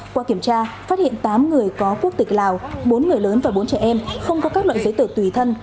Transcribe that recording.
qua kiểm tra phát hiện tám người có quốc tịch lào bốn người lớn và bốn trẻ em không có các loại giấy tờ tùy thân